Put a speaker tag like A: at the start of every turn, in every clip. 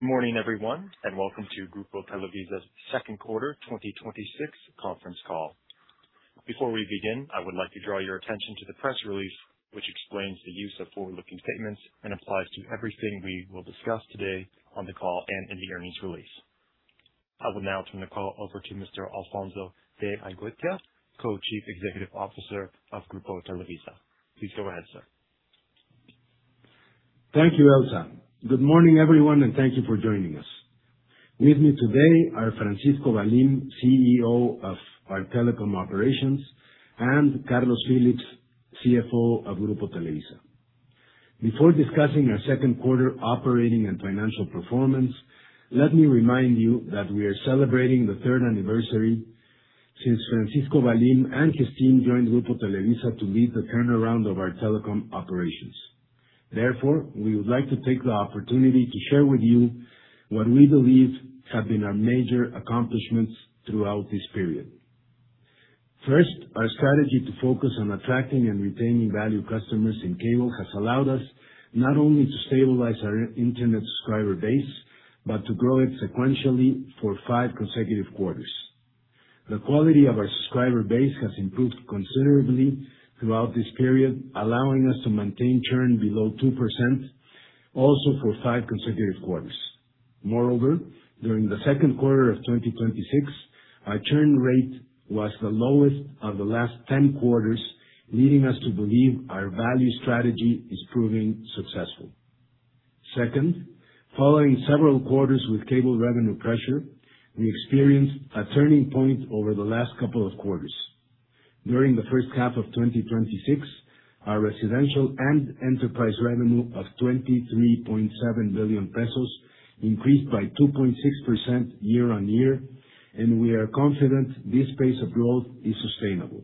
A: Morning, everyone, welcome to Grupo Televisa's second quarter 2026 conference call. Before we begin, I would like to draw your attention to the press release, which explains the use of forward-looking statements and applies to everything we will discuss today on the call and in the earnings release. I will now turn the call over to Mr. Alfonso de Angoitia, Co-Chief Executive Officer of Grupo Televisa. Please go ahead, sir.
B: Thank you, Elsa. Good morning, everyone, thank you for joining us. With me today are Francisco Valim, CEO of our telecom operations, and Carlos Phillips, CFO of Grupo Televisa. Before discussing our second quarter operating and financial performance, let me remind you that we are celebrating the third anniversary since Francisco Valim and his team joined Grupo Televisa to lead the turnaround of our telecom operations. We would like to take the opportunity to share with you what we believe have been our major accomplishments throughout this period. First, our strategy to focus on attracting and retaining value customers in cable has allowed us not only to stabilize our internet subscriber base, but to grow it sequentially for five consecutive quarters. The quality of our subscriber base has improved considerably throughout this period, allowing us to maintain churn below 2%, also for five consecutive quarters. During the second quarter of 2026, our churn rate was the lowest of the last 10 quarters, leading us to believe our value strategy is proving successful. Second, following several quarters with cable revenue pressure, we experienced a turning point over the last couple of quarters. During the first half of 2026, our Residential and Enterprise revenue of 23.7 billion pesos increased by 2.6% year-on-year, we are confident this pace of growth is sustainable.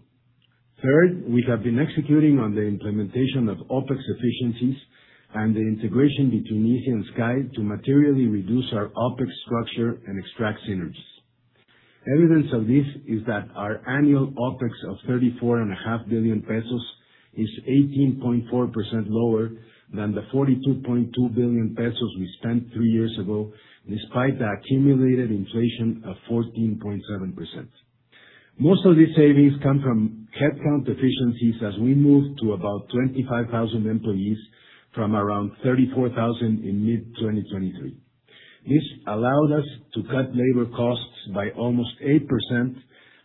B: Third, we have been executing on the implementation of OpEx efficiencies and the integration between Izzi and Sky to materially reduce our OpEx structure and extract synergies. Evidence of this is that our annual OpEx of 34.5 billion pesos is 18.4% lower than the 42.2 billion pesos we spent three years ago, despite the accumulated inflation of 14.7%. Most of these savings come from headcount efficiencies as we move to about 25,000 employees from around 34,000 in mid-2023. This allowed us to cut labor costs by almost 8%,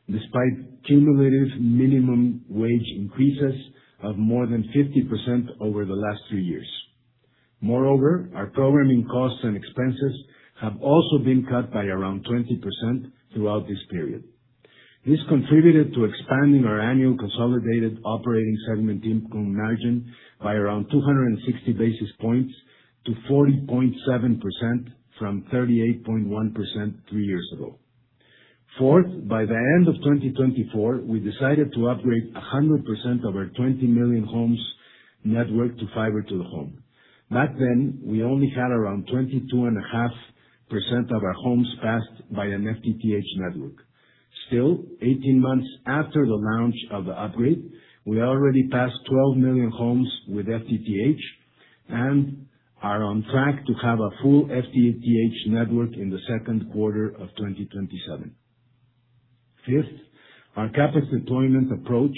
B: despite cumulative minimum wage increases of more than 50% over the last three years. Our programming costs and expenses have also been cut by around 20% throughout this period. This contributed to expanding our annual consolidated operating segment income margin by around 260 basis points to 40.7% from 38.1% three years ago. Fourth, by the end of 2024, we decided to upgrade 100% of our 20 million homes network to Fiber to the Home. Back then, we only had around 22.5% of our homes passed by an FTTH network. Still, 18 months after the launch of the upgrade, we already passed 12 million homes with FTTH and are on track to have a full FTTH network in the second quarter of 2027. Fifth, our CapEx deployment approach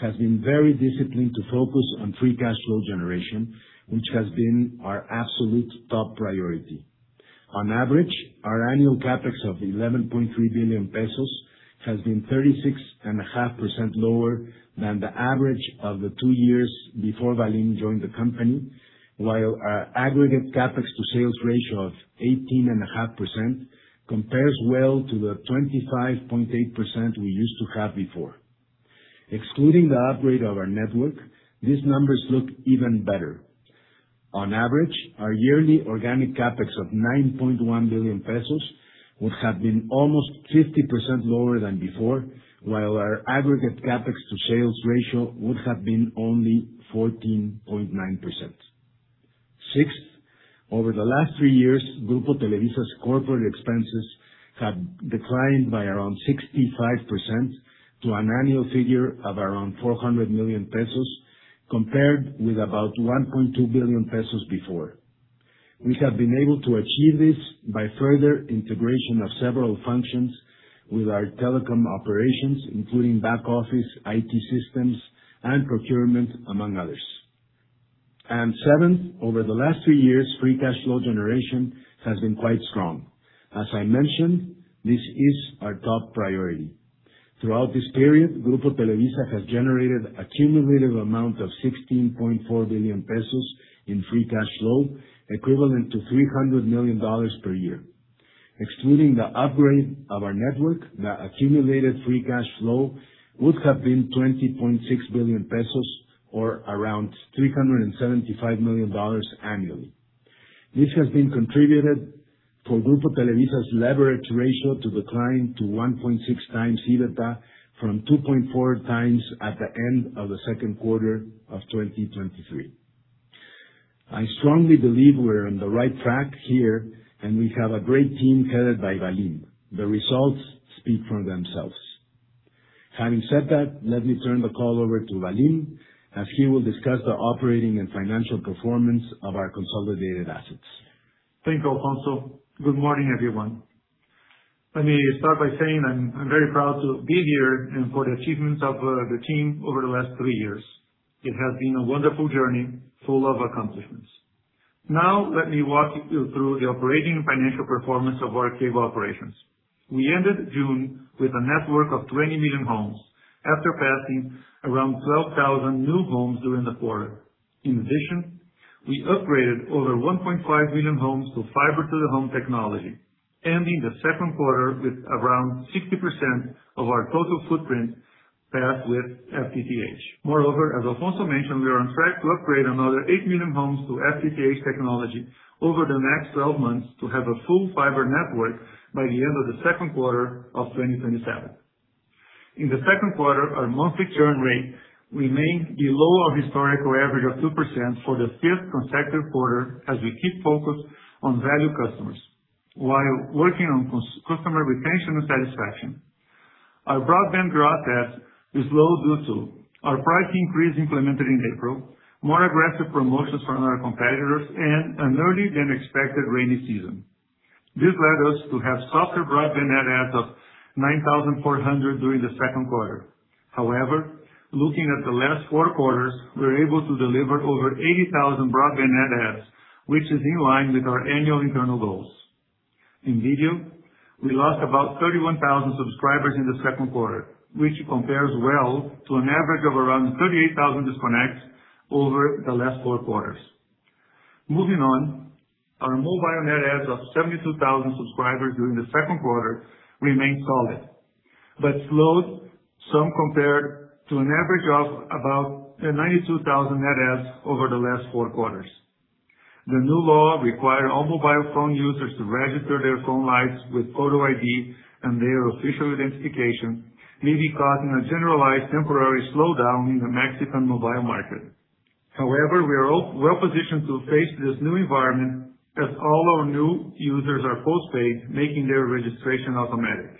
B: has been very disciplined to focus on free cash flow generation, which has been our absolute top priority. On average, our annual CapEx of 11.3 billion pesos has been 36.5% lower than the average of the two years before Valim joined the company, while our aggregate CapEx to sales ratio of 18.5% compares well to the 25.8% we used to have before. Excluding the upgrade of our network, these numbers look even better. On average, our yearly organic CapEx of 9.1 billion pesos would have been almost 50% lower than before, while our aggregate CapEx to sales ratio would have been only 14.9%. Sixth, over the last three years, Grupo Televisa's corporate expenses have declined by around 65% to an annual figure of around 400 million pesos, compared with about 1.2 billion pesos before. We have been able to achieve this by further integration of several functions with our telecom operations, including back office, IT systems, and procurement, among others. Seventh, over the last three years, free cash flow generation has been quite strong. As I mentioned, this is our top priority. Throughout this period, Grupo Televisa has generated a cumulative amount of 16.4 billion pesos in free cash flow, equivalent to $300 million per year. Excluding the upgrade of our network, the accumulated free cash flow would have been 20.6 billion pesos or around $375 million annually. This has been contributed for Grupo Televisa's leverage ratio to decline to 1.6x EBITDA from 2.4x at the end of the second quarter of 2023. I strongly believe we are on the right track here, and we have a great team headed by Valim. The results speak for themselves. Having said that, let me turn the call over to Valim, as he will discuss the operating and financial performance of our consolidated assets.
C: Thanks, Alfonso. Good morning, everyone. Let me start by saying I'm very proud to be here and for the achievements of the team over the last three years. It has been a wonderful journey, full of accomplishments. Now let me walk you through the operating and financial performance of our cable operations. We ended June with a network of 20 million homes, after passing around 12,000 new homes during the quarter. In addition, we upgraded over 1.5 million homes to Fiber to the Home technology, ending the second quarter with around 60% of our total footprint passed with FTTH. Moreover, as Alfonso mentioned, we are on track to upgrade another eight million homes to FTTH technology over the next 12 months to have a full fiber network by the end of the second quarter of 2027. In the second quarter, our monthly churn rate remained below our historical average of 2% for the fifth consecutive quarter, as we keep focused on value customers while working on customer retention and satisfaction. Our broadband gross adds is low due to our price increase implemented in April, more aggressive promotions from our competitors, and an earlier than expected rainy season. This led us to have softer broadband net adds of 9,400 during the second quarter. However, looking at the last four quarters, we are able to deliver over 80,000 broadband net adds, which is in line with our annual internal goals. In video, we lost about 31,000 subscribers in the second quarter, which compares well to an average of around 38,000 disconnects over the last four quarters. Moving on, our mobile net adds of 72,000 subscribers during the second quarter remain solid, but slowed some compared to an average of about 92,000 net adds over the last four quarters. The new law require all mobile phone users to register their phone lines with photo ID and their official identification may be causing a generalized temporary slowdown in the Mexican mobile market. We are well-positioned to face this new environment as all our new users are post-paid, making their registration automatic.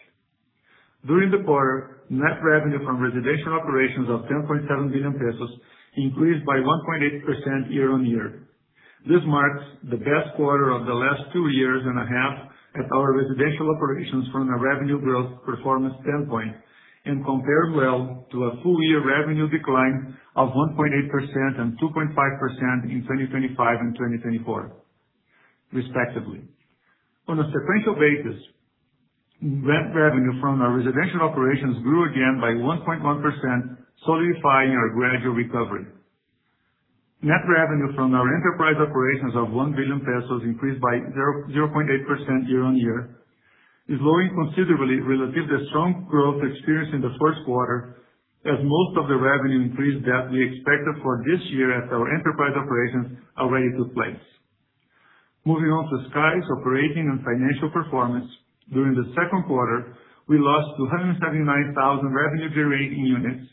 C: During the quarter, net revenue from residential operations of 1.7 billion pesos increased by 1.8% year-on-year. This marks the best quarter of the last two years and a half at our residential operations from a revenue growth performance standpoint, and compares well to a full year revenue decline of 1.8% and 2.5% in 2025 and 2024 respectively. On a sequential basis, net revenue from our residential operations grew again by 1.1%, solidifying our gradual recovery. Net revenue from our enterprise operations of 1 billion pesos increased by 0.8% year-on-year is growing considerably relative to strong growth experienced in the first quarter as most of the revenue increase that we expected for this year at our enterprise operations already took place. Moving on to Sky's operating and financial performance. During the second quarter, we lost 279,000 Revenue-Generating Units,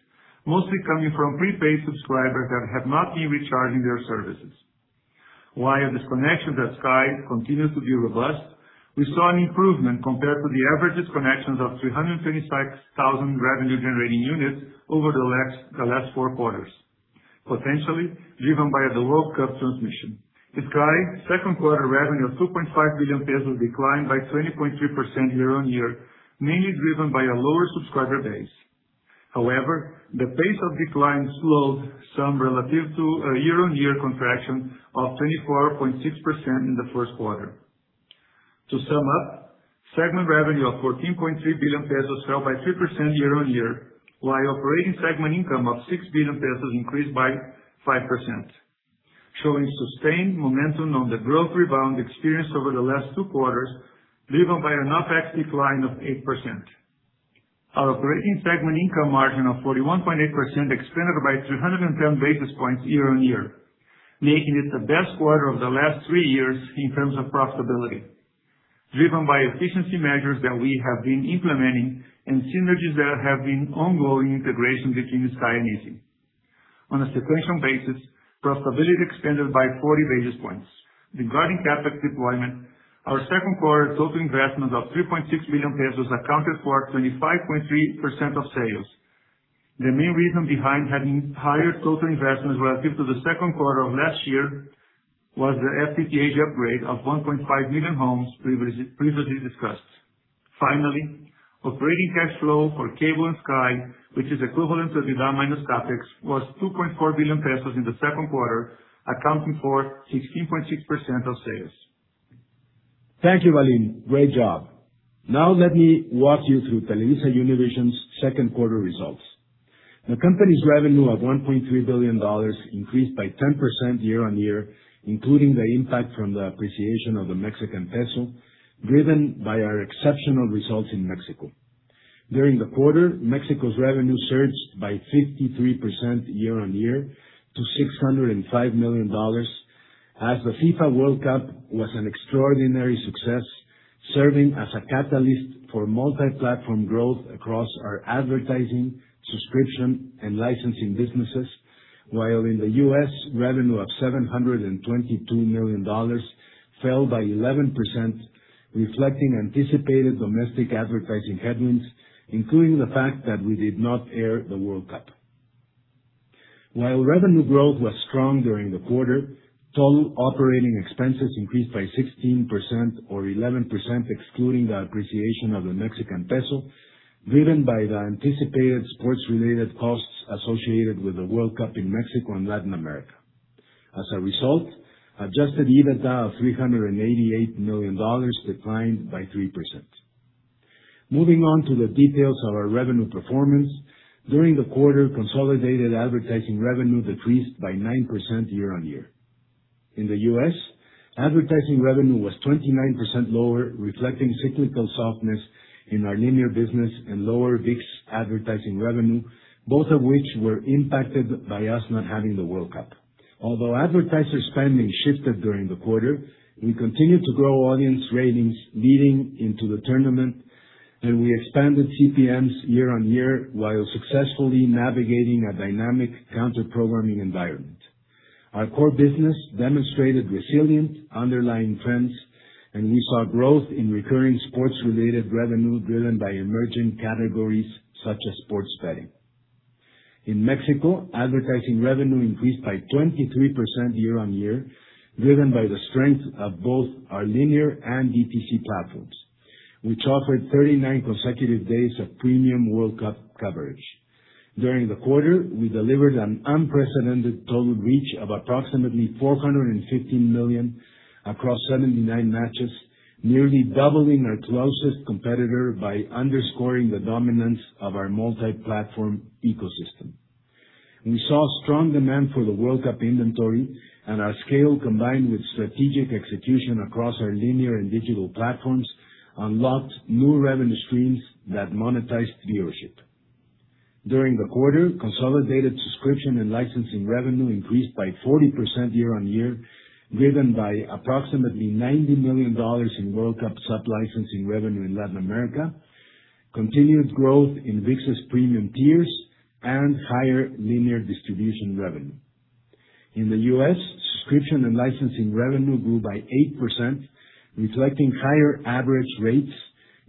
C: mostly coming from prepaid subscribers that have not been recharging their services. While the disconnections at Sky continues to be robust, we saw an improvement compared to the average disconnections of 325,000 Revenue-Generating Units over the last four quarters, potentially driven by the World Cup transmission. Sky second quarter revenue of 2.5 billion pesos declined by 20.3% year-on-year, mainly driven by a lower subscriber base. The pace of decline slowed some relative to a year-on-year contraction of 24.6% in the first quarter. To sum up, segment revenue of 14.3 billion pesos fell by 3% year-on-year while operating segment income of 6 billion pesos increased by 5%, showing sustained momentum on the growth rebound experienced over the last two quarters, driven by an OpEx decline of 8%. Our operating segment income margin of 41.8% expanded by 310 basis points year-on-year, making it the best quarter of the last three years in terms of profitability, driven by efficiency measures that we have been implementing and synergies that have been ongoing integration between Sky and Izzi. On a sequential basis, profitability expanded by 40 basis points. Regarding CapEx deployment, our second quarter total investments of 3.6 billion pesos accounted for 25.3% of sales. The main reason behind having higher total investments relative to the second quarter of last year was the FTTH upgrade of 1.5 million homes previously discussed. Finally, operating cash flow for Cable and Sky, which is equivalent to RevOps minus CapEx, was 2.4 billion pesos in the second quarter, accounting for 16.6% of sales.
B: Thank you, Valim. Great job. Now let me walk you through TelevisaUnivision's second quarter results. The company's revenue of $1.3 billion increased by 10% year-on-year, including the impact from the appreciation of the Mexican peso, driven by our exceptional results in Mexico. During the quarter, Mexico's revenue surged by 53% year-on-year to $605 million as the FIFA World Cup was an extraordinary success, serving as a catalyst for multi-platform growth across our advertising, subscription, and licensing businesses. While in the U.S., revenue of $722 million fell by 11%, reflecting anticipated domestic advertising headwinds, including the fact that we did not air the World Cup. While revenue growth was strong during the quarter, total operating expenses increased by 16%, or 11% excluding the appreciation of the Mexican peso, driven by the anticipated sports-related costs associated with the World Cup in Mexico and Latin America. As a result, Adjusted EBITDA of $388 million declined by 3%. Moving on to the details of our revenue performance. During the quarter, consolidated advertising revenue decreased by 9% year-on-year. In the U.S., advertising revenue was 29% lower, reflecting cyclical softness in our linear business and lower ViX advertising revenue, both of which were impacted by us not having the World Cup. Although advertiser spending shifted during the quarter, we continued to grow audience ratings leading into the tournament, and we expanded CPMs year-on-year while successfully navigating a dynamic counter-programming environment. Our core business demonstrated resilient underlying trends, and we saw growth in recurring sports-related revenue driven by emerging categories such as sports betting. In Mexico, advertising revenue increased by 23% year-on-year, driven by the strength of both our linear and DTC platforms, which offered 39 consecutive days of premium World Cup coverage. During the quarter, we delivered an unprecedented total reach of approximately 415 million across 79 matches, nearly doubling our closest competitor by underscoring the dominance of our multi-platform ecosystem. We saw strong demand for the World Cup inventory and our scale, combined with strategic execution across our linear and digital platforms, unlocked new revenue streams that monetized viewership. During the quarter, consolidated subscription and licensing revenue increased by 40% year-on-year, driven by approximately $90 million in World Cup sublicensing revenue in Latin America, continued growth in ViX's premium tiers, and higher linear distribution revenue. In the U.S., subscription and licensing revenue grew by 8%, reflecting higher average rates,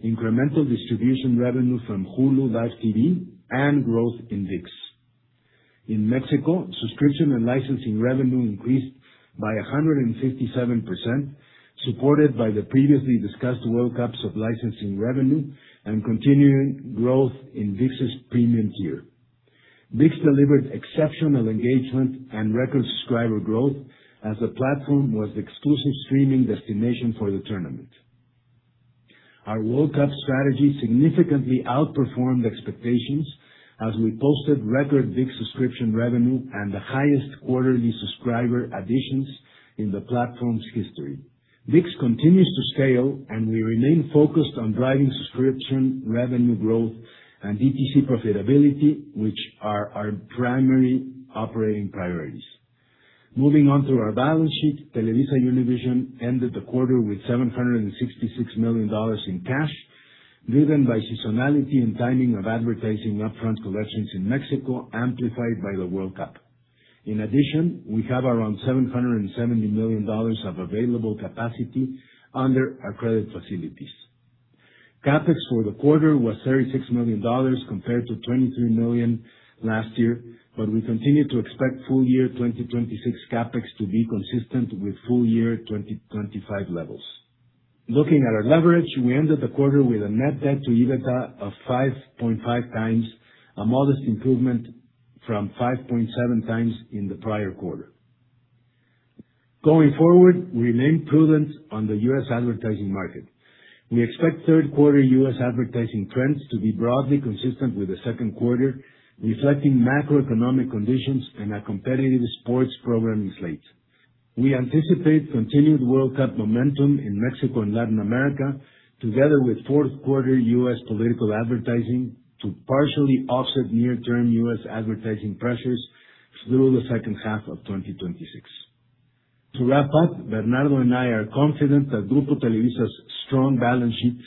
B: incremental distribution revenue from Hulu + Live TV, and growth in ViX. In Mexico, subscription and licensing revenue increased by 157%, supported by the previously discussed World Cup sublicensing revenue and continued growth in ViX's premium tier. ViX delivered exceptional engagement and record subscriber growth as the platform was the exclusive streaming destination for the tournament. Our World Cup strategy significantly outperformed expectations as we posted record ViX subscription revenue and the highest quarterly subscriber additions in the platform's history. ViX continues to scale, and we remain focused on driving subscription revenue growth and DTC profitability, which are our primary operating priorities. Moving on to our balance sheet. TelevisaUnivision ended the quarter with $766 million in cash, driven by seasonality and timing of advertising upfront collections in Mexico, amplified by the World Cup. In addition, we have around MXN 770 million of available capacity under our credit facilities. CapEx for the quarter was MXN 36 million compared to 23 million last year, but we continue to expect full year 2026 CapEx to be consistent with full year 2025 levels. Looking at our leverage, we ended the quarter with a net debt to EBITDA of 5.5x, a modest improvement from 5.7x in the prior quarter. Going forward, we remain prudent on the U.S. advertising market. We expect third quarter U.S. advertising trends to be broadly consistent with the second quarter, reflecting macroeconomic conditions and a competitive sports programming slate. We anticipate continued World Cup momentum in Mexico and Latin America, together with fourth quarter U.S. political advertising to partially offset near-term U.S. advertising pressures through the second half of 2026. To wrap up, Bernardo and I are confident that Grupo Televisa's strong balance sheet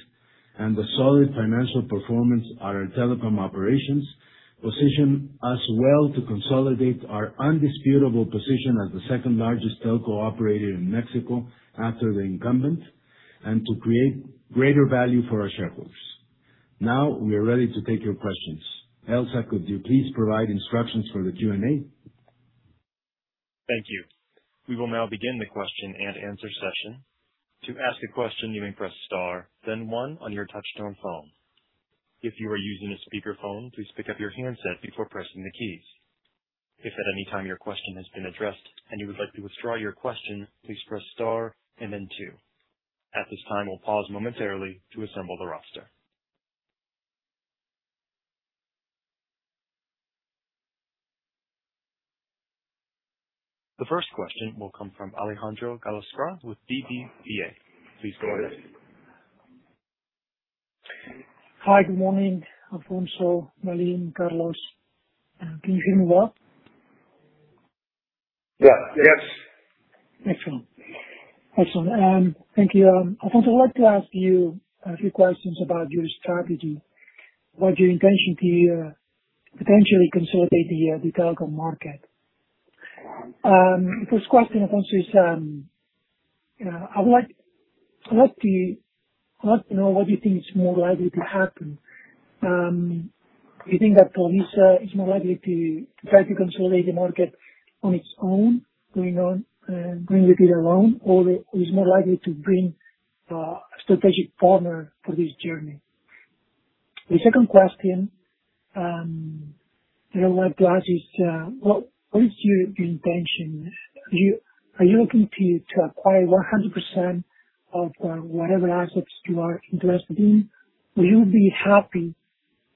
B: and the solid financial performance at our telecom operations position us well to consolidate our undisputable position as the second largest telco operator in Mexico after the incumbent, and to create greater value for our shareholders. Now, we are ready to take your questions. Elsa, could you please provide instructions for the Q&A?
A: Thank you. We will now begin the question-and-answer session. To ask a question, you may press star, then one on your touchtone phone. If you are using a speakerphone, please pick up your handset before pressing the keys. If at any time your question has been addressed and you would like to withdraw your question, please press star and then two. At this time, we will pause momentarily to assemble the roster. The first question will come from Alejandro Gallostra with BBVA. Please go ahead.
D: Hi. Good morning, Alfonso, Valim, Carlos. Can you hear me well?
B: Yeah.
C: Yes.
D: Excellent. Thank you. Alfonso, I'd like to ask you a few questions about your strategy, about your intention to potentially consolidate the telecom market. First question, Alfonso, I'd like to know what you think is more likely to happen. Do you think that Televisa is more likely to try to consolidate the market on its own, going it alone, or is more likely to bring a strategic partner for this journey? The second question I'd like to ask is, what is your intention? Are you looking to acquire 100% of whatever assets you are interested in? Will you be happy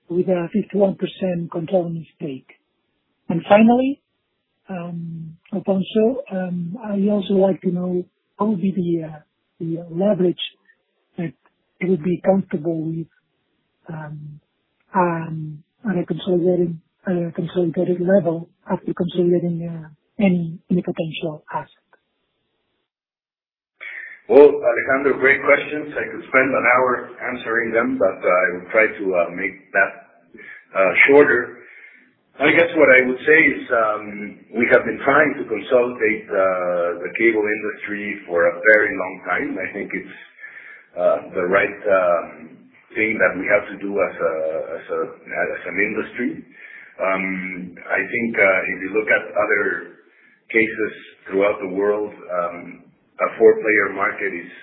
D: with a 51% controlling stake? Finally, Alfonso, I also like to know, how will be the leverage that you would be comfortable with on a consolidated level after consolidating any potential asset?
B: Well, Alejandro, great questions. I could spend an hour answering them, I will try to make that shorter. I guess what I would say is, we have been trying to consolidate the cable industry for a very long time. I think it's the right thing that we have to do as an industry. I think if you look at other cases throughout the world, a four-player market is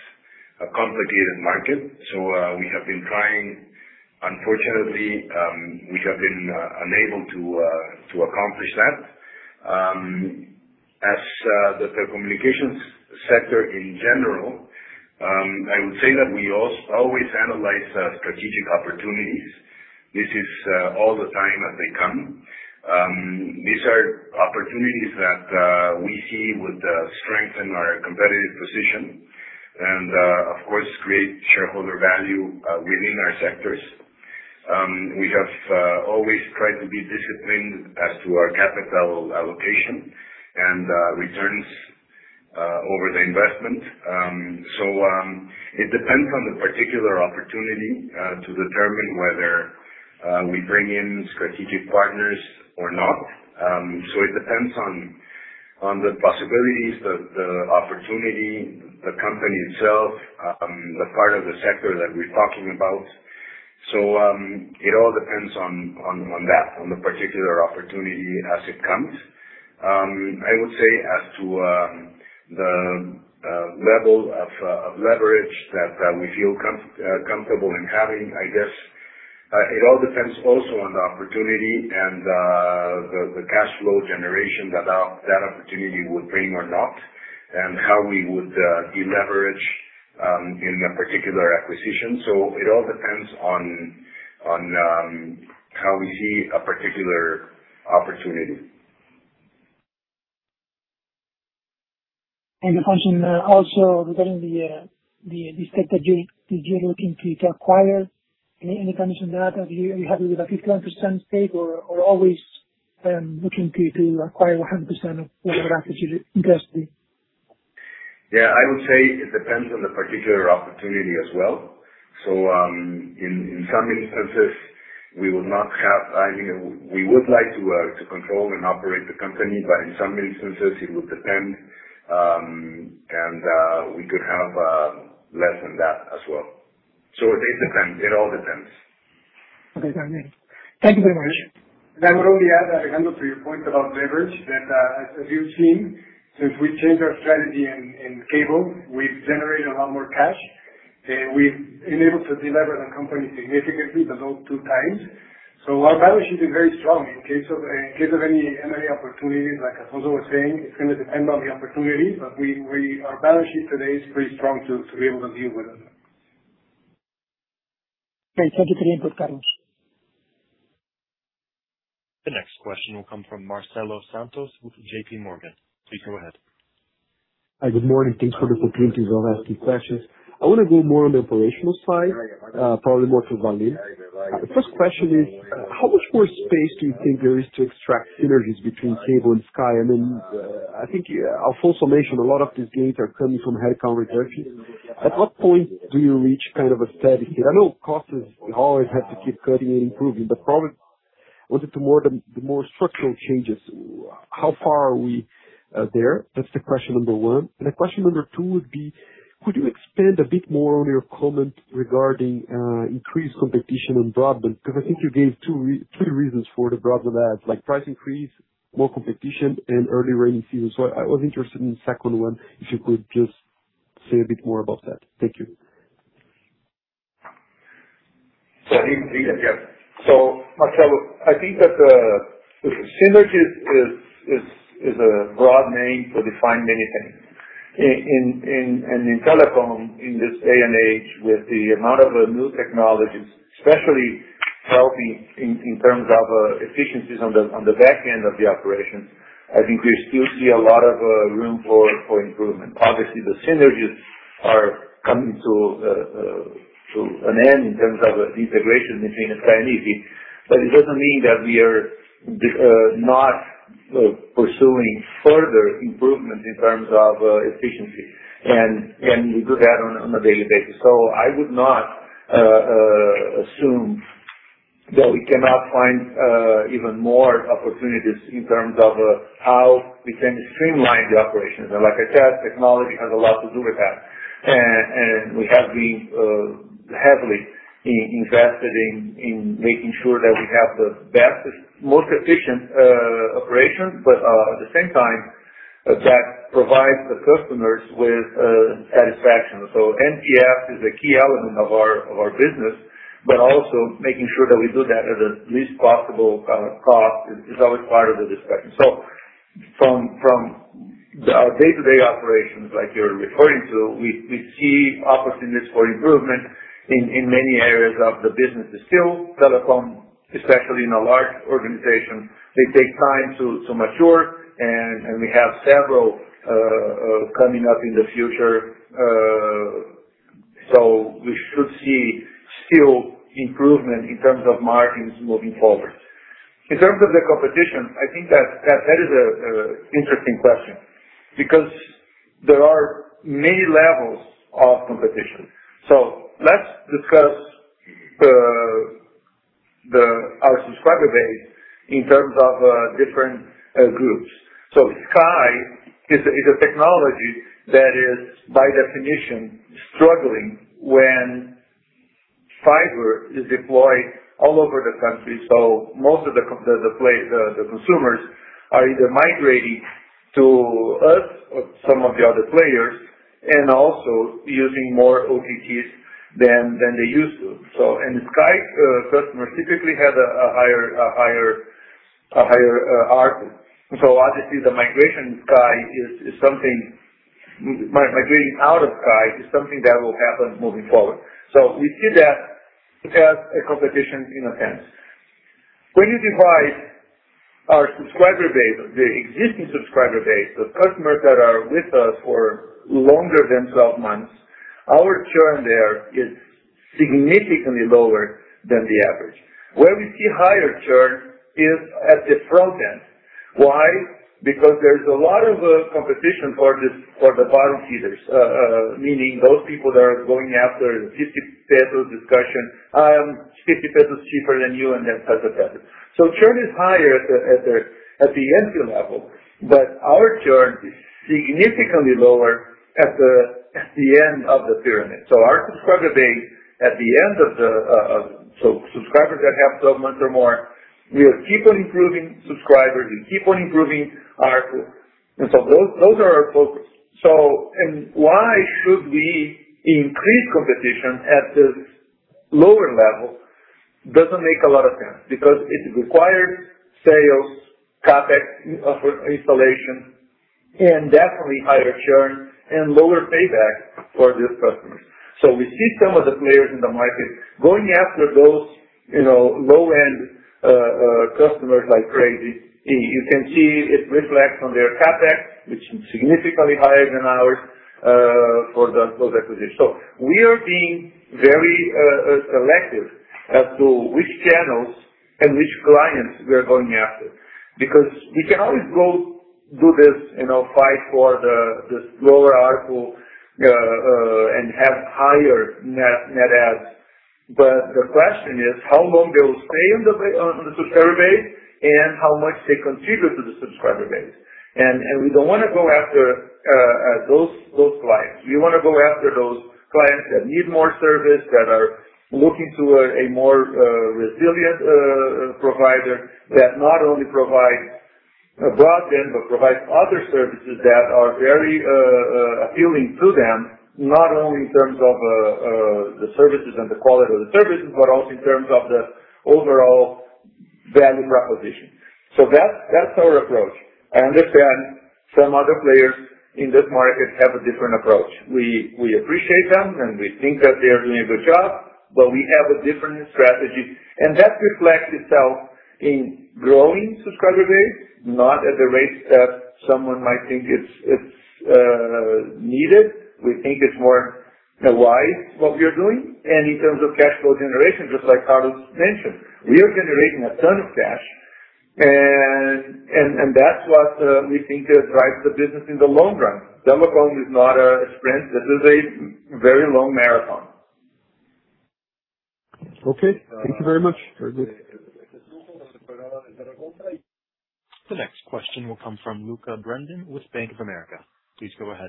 B: a complicated market. We have been trying. Unfortunately, we have been unable to accomplish that. As the telecommunications sector in general, I would say that we always analyze strategic opportunities. This is all the time as they come. These are opportunities that we see would strengthen our competitive position and, of course, create shareholder value within our sectors. We have always tried to be disciplined as to our capital allocation and returns over the investment. It depends on the particular opportunity to determine whether we bring in strategic partners or not. It depends on the possibilities, the opportunity, the company itself, the part of the sector that we're talking about. It all depends on that, on the particular opportunity as it comes. I would say as to the level of leverage that we feel comfortable in having, I guess it all depends also on the opportunity and the cash flow generation that opportunity would bring or not, and how we would deleverage in a particular acquisition. It all depends on how we see a particular opportunity.
D: Alfonso, also regarding the strategy that you're looking to acquire, in addition to that, are you happy with a 51% stake or always looking to acquire 100% of whatever assets you're interested in?
B: I would say it depends on the particular opportunity as well. In some instances, we would like to control and operate the company, but in some instances, it would depend, and we could have less than that as well. It all depends.
D: Thank you very much.
E: I would only add, Alejandro Gallostra, to your point about leverage, that as you've seen, since we changed our strategy in Cable, we've generated a lot more cash. We've been able to deleverage the company significantly below two times. Our balance sheet is very strong in case of any M&A opportunities, like Alfonso was saying. It's going to depend on the opportunity, but our balance sheet today is pretty strong to be able to deal with it.
D: Thanks for the input, Carlos.
A: The next question will come from Marcelo Santos with JPMorgan. Please go ahead.
F: Hi. Good morning. Thanks for the opportunity to ask you questions. I want to go more on the operational side, probably more to Valim. First question is, how much more space do you think there is to extract synergies between Cable and Sky? I think our full summation, a lot of these gains are coming from headcount reduction. At what point do you reach a steady state? I know costs always have to keep cutting and improving. The more structural changes, how far are we there? That's the question number one. Question number two would be, could you expand a bit more on your comment regarding increased competition on broadband? Because I think you gave two reasons for the broadband ads, like price increase, more competition, and early rainy season. I was interested in the second one, if you could just say a bit more about that. Thank you.
C: Marcelo, I think that synergy is a broad name to define many things. In telecom, in this day and age, with the amount of new technologies, especially helping in terms of efficiencies on the back end of the operations, I think we still see a lot of room for improvement. Obviously, the synergies are coming to an end in terms of integration between Sky and Izzi, but it doesn't mean that we are not Pursuing further improvements in terms of efficiency. We do that on a daily basis. I would not assume that we cannot find even more opportunities in terms of how we can streamline the operations. Like I said, technology has a lot to do with that. We have been heavily invested in making sure that we have the best, most efficient operations. At the same time, that provides the customers with satisfaction. NPS is a key element of our business, but also making sure that we do that at the least possible cost is always part of the discussion. From our day-to-day operations, like you're referring to, we see opportunities for improvement in many areas of the business. Still, telecom, especially in a large organization, may take time to mature and we have several coming up in the future. We should see still improvement in terms of margins moving forward. In terms of the competition, I think that is an interesting question because there are many levels of competition. Let's discuss our subscriber base in terms of different groups. Sky is a technology that is by definition struggling when fiber is deployed all over the country. Most of the consumers are either migrating to us or some of the other players and also using more OTTs than they used to. Sky's customers typically have a higher ARPU. Obviously the migration out of Sky is something that will happen moving forward. We see that as a competition in a sense. When you divide our subscriber base, the existing subscriber base, the customers that are with us for longer than 12 months, our churn there is significantly lower than the average. Where we see higher churn is at the front end. Why? Because there is a lot of competition for the bottom feeders, meaning those people that are going after the 50 pesos discussion, "I am 50 pesos cheaper than you," and that type of tactic. Churn is higher at the entry level, but our churn is significantly lower at the end of the pyramid. Our subscriber base. Subscribers that have 12 months or more, we are keeping improving subscribers. We keep on improving our tool. Those are our focus. Why should we increase competition at this lower level? Doesn't make a lot of sense because it requires sales, CapEx installation, and definitely higher churn and lower payback for these customers. We see some of the players in the market going after those low-end customers like crazy. You can see it reflects on their CapEx, which is significantly higher than ours for those acquisitions. We are being very selective as to which channels and which clients we are going after. We can always go do this fight for this lower ARPU, and have higher net adds. The question is how long they will stay on the subscriber base and how much they contribute to the subscriber base. We don't want to go after those clients. We want to go after those clients that need more service, that are looking to a more resilient provider that not only provides broadband, but provides other services that are very appealing to them, not only in terms of the services and the quality of the services, but also in terms of the overall value proposition. That's our approach. I understand some other players in this market have a different approach. We appreciate them, and we think that they are doing a good job, but we have a different strategy, and that reflects itself in growing subscriber base, not at the rate that someone might think it's needed. We think it's more wise what we are doing. In terms of cash flow generation, just like Carlos mentioned, we are generating a ton of cash, and that's what we think drives the business in the long run. Telecom is not a sprint. This is a very long marathon.
F: Okay. Thank you very much.
A: The next question will come from Lucca Brendim with Bank of America. Please go ahead.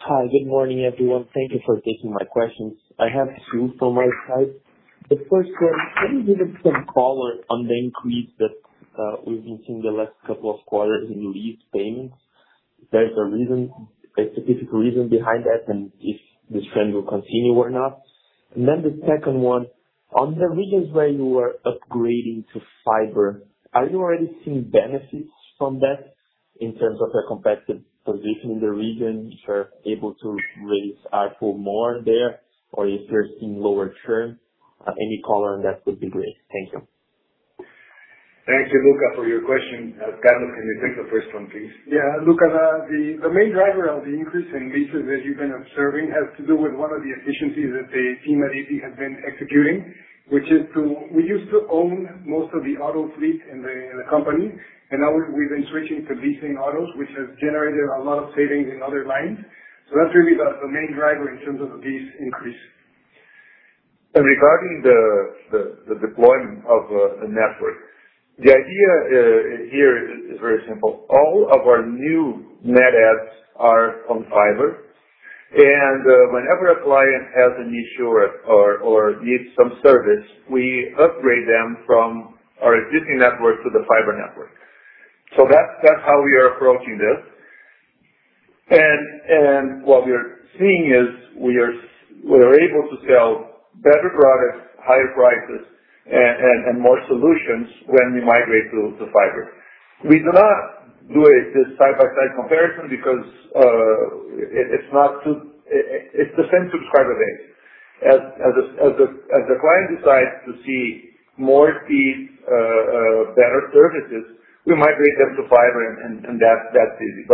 G: Hi. Good morning, everyone. Thank you for taking my questions. I have two from my side. The first one, can you give some color on the increase that we've been seeing the last two quarters in lease payments? If there's a specific reason behind that and if this trend will continue or not. The second one, on the regions where you are upgrading to fiber, are you already seeing benefits from that in terms of your competitive position in the region? If you're able to raise ARPU more there or if you're seeing lower churn? Any color on that would be great. Thank you.
C: Thank you, Lucca, for your question. Carlos, can you take the first one, please?
E: Lucca, the main driver of the increase in leases that you've been observing has to do with one of the efficiencies that the team at Izzi has been executing. We used to own most of the auto fleet in the company, and now we've been switching to leasing autos, which has generated a lot of savings in other lines. That's really the main driver in terms of the lease increase.
C: Regarding the deployment of a network, the idea here is very simple. All of our new net adds are on fiber, and whenever a client has an issue or needs some service, we upgrade them from our existing network to the fiber network. That's how we are approaching this. What we're seeing is we are able to sell better products, higher prices, and more solutions when we migrate to fiber. We do not do a side-by-side comparison because it's the same subscriber base. As the client decides to see more speed, better services, we migrate them to fiber, and that's easy.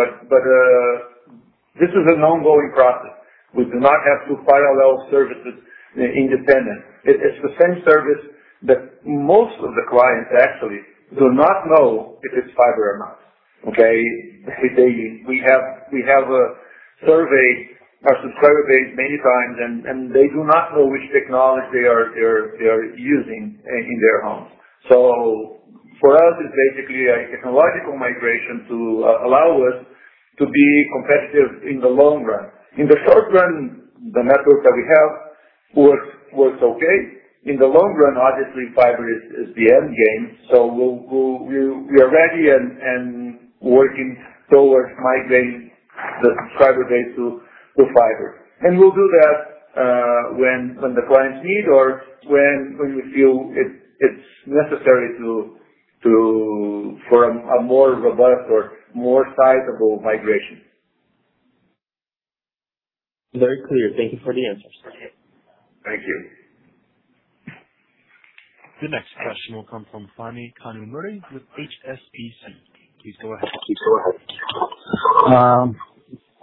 C: This is an ongoing process. We do not have two parallel services independent. It's the same service that most of the clients actually do not know if it's fiber or not. We have a survey, our subscriber base many times, and they do not know which technology they are using in their homes. For us, it's basically a technological migration to allow us to be competitive in the long run. In the short run, the network that we have works okay. In the long run, obviously, fiber is the end game. We are ready and working towards migrating the subscriber base to fiber. We'll do that when the clients need or when we feel it's necessary for a more robust or more sizable migration.
G: Very clear. Thank you for the answers.
C: Thank you.
A: The next question will come from Phani Kanumuri with HSBC. Please go ahead.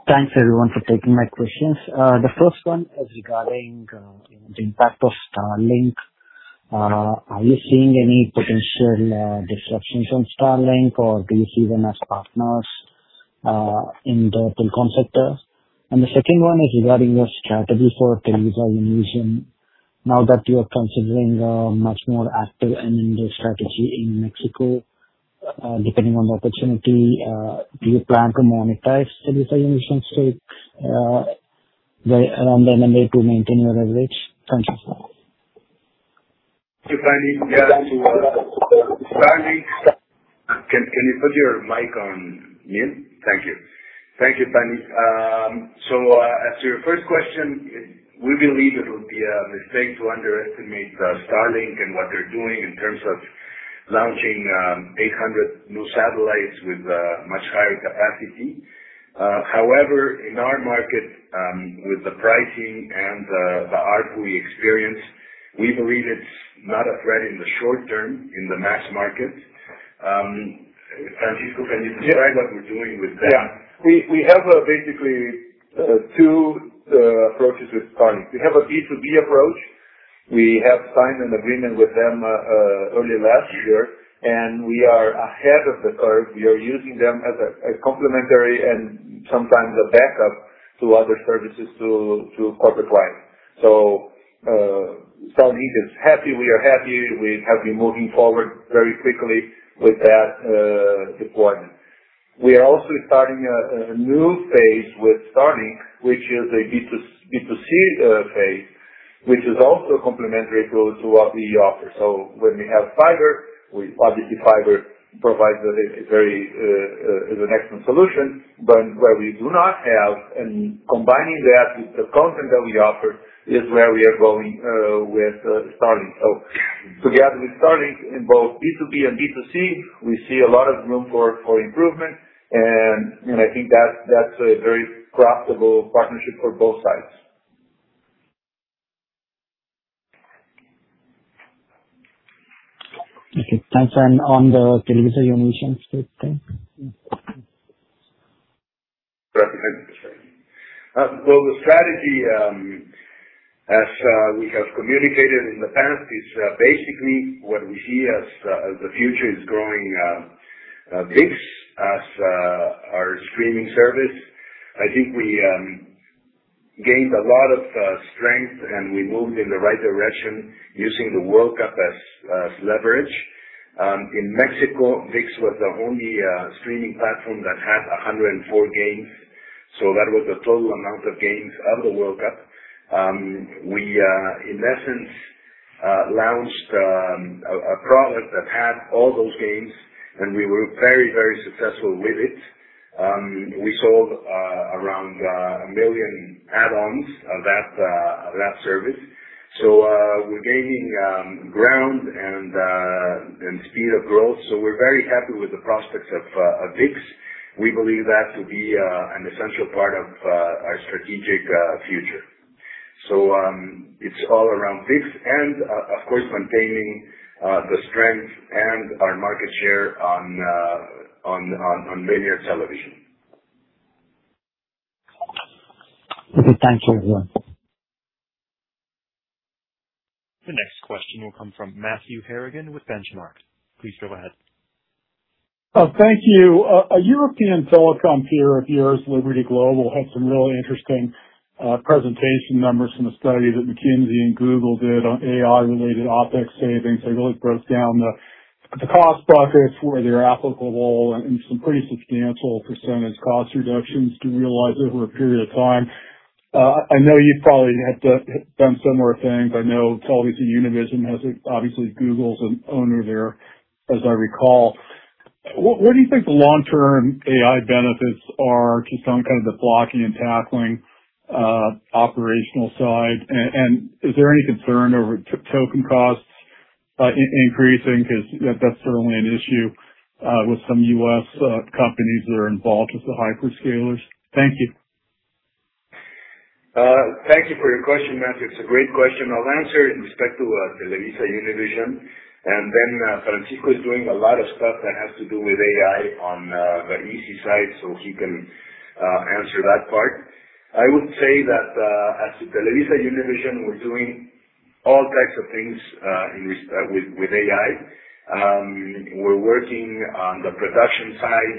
H: Thanks, everyone, for taking my questions. The first one is regarding the impact of Starlink. Are you seeing any potential disruptions from Starlink, or do you see them as partners in the telecom sector? The second one is regarding your strategy for TelevisaUnivision. Now that you are considering a much more active M&A strategy in Mexico, depending on the opportunity, do you plan to monetize TelevisaUnivision's stake around the M&A to maintain your leverage? Thanks so much.
B: Thank you, Phani. Yeah. Starlink. Can you put your mic on mute? Thank you. Thank you, Phani. As to your first question, we believe it would be a mistake to underestimate Starlink and what they're doing in terms of launching 800 new satellites with much higher capacity. However, in our market, with the pricing and the ARPU experience, we believe it's not a threat in the short term in the mass market. Francisco, can you describe what we're doing with them?
C: Yeah. We have basically two approaches with Starlink. We have a B2B approach. We have signed an agreement with them early last year, we are ahead of the curve. We are using them as complementary and sometimes a backup to other services to corporate clients. Starlink is happy, we are happy. We have been moving forward very quickly with that deployment. We are also starting a new phase with Starlink, which is a B2C phase, which is also complementary to what we offer. When we have fiber, obviously fiber provides an excellent solution, but where we do not have, combining that with the content that we offer is where we are going with Starlink. Together with Starlink in both B2B and B2C, we see a lot of room for improvement, I think that's a very profitable partnership for both sides.
H: Okay, thanks. On the TelevisaUnivision stake?
B: Well, the strategy, as we have communicated in the past, is basically what we see as the future is growing ViX as our streaming service. I think we gained a lot of strength, and we moved in the right direction using the World Cup as leverage. In Mexico, ViX was the only streaming platform that had 104 games, so that was the total amount of games of the World Cup. We, in essence, launched a product that had all those games, and we were very successful with it. We sold around a million add-ons of that service. We're gaining ground and speed of growth. We're very happy with the prospects of ViX. We believe that to be an essential part of our strategic future. It's all around ViX and, of course, maintaining the strength and our market share on linear television.
H: Okay, thank you everyone.
A: The next question will come from Matthew Harrigan with Benchmark. Please go ahead.
I: Thank you. A European telecom peer of yours, Liberty Global, had some really interesting presentation numbers from the study that McKinsey and Google did on AI-related OpEx savings. They really broke down the cost buckets where they are applicable and some pretty substantial percentage cost reductions to realize over a period of time. I know you probably have done similar things. I know TelevisaUnivision has, obviously Google is an owner there, as I recall. What do you think the long-term AI benefits are to some of the blocking and tackling operational side? Is there any concern over token costs increasing? That is certainly an issue with some U.S. companies that are involved with the hyperscalers. Thank you.
B: Thank you for your question, Matthew. It is a great question. I will answer in respect to TelevisaUnivision. Francisco is doing a lot of stuff that has to do with AI on the Izzi side, so he can answer that part. I would say that at TelevisaUnivision, we are doing all types of things with AI. We are working on the production side.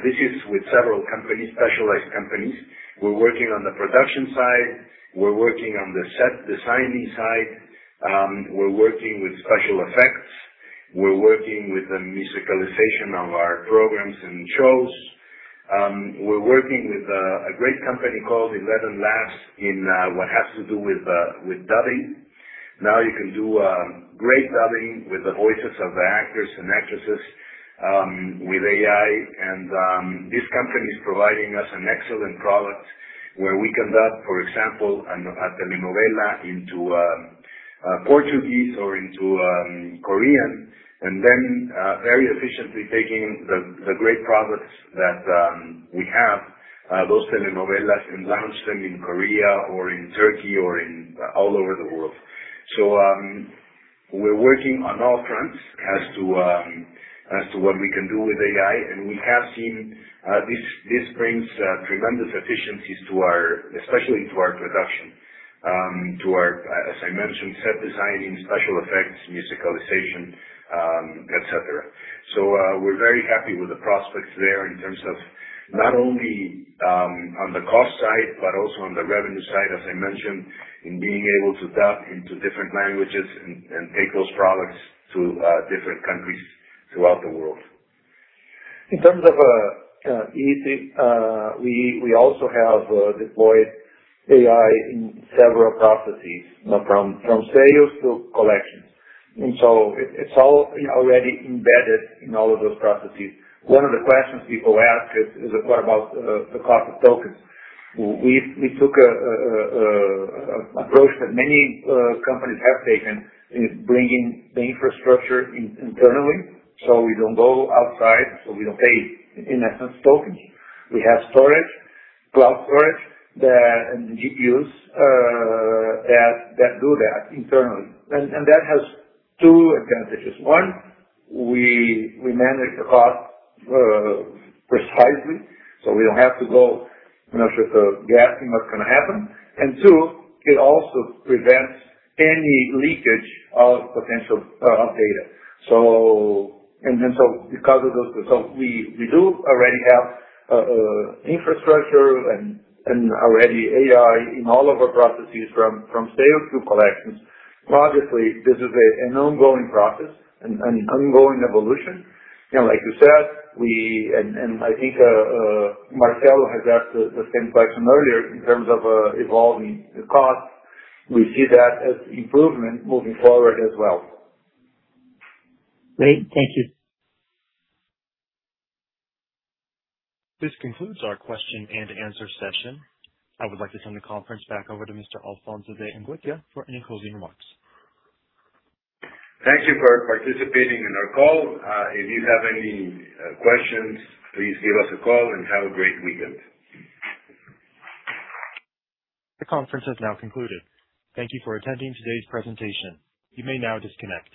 B: This is with several specialized companies. We are working on the production side. We are working on the set designing side. We are working with special effects. We are working with the musicalization of our programs and shows. We are working with a great company called ElevenLabs in what has to do with dubbing. Now you can do great dubbing with the voices of the actors and actresses with AI. This company is providing us an excellent product where we conduct, for example, a telenovela into Portuguese or into Korean. Very efficiently taking the great products that we have, those telenovelas, and launch them in Korea or in Turkey or all over the world. We are working on all fronts as to what we can do with AI. We have seen this brings tremendous efficiencies, especially to our production, to our, as I mentioned, set designing, special effects, musicalization, et cetera. We are very happy with the prospects there in terms of not only on the cost side, but also on the revenue side, as I mentioned, in being able to tap into different languages and take those products to different countries throughout the world.
C: In terms of Izzi, we also have deployed AI in several processes, from sales to collections. It is all already embedded in all of those processes. One of the questions people ask is, what about the cost of tokens? We took an approach that many companies have taken, is bringing the infrastructure internally. We do not go outside, we do not pay, in essence, tokens. We have storage, cloud storage, and GPUs that do that internally. That has two advantages. One, we manage the cost precisely. We do not have to go messing with the guessing what is going to happen. Two, it also prevents any leakage of potential data. We do already have infrastructure and already AI in all of our processes from sales to collections. Obviously, this is an ongoing process, an ongoing evolution. Like you said, I think Marcelo had asked the same question earlier in terms of evolving the cost. We see that as improvement moving forward as well.
I: Great. Thank you.
A: This concludes our question and answer session. I would like to turn the conference back over to Mr. Alfonso de Angoitia for any closing remarks.
B: Thank you for participating in our call. If you have any questions, please give us a call and have a great weekend.
A: The conference has now concluded. Thank you for attending today's presentation. You may now disconnect.